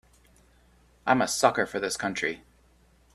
I'm a sucker for this country.